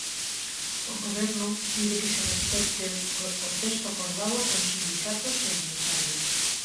O Goberno pide que se respecte o texto acordado con sindicatos e empresarios.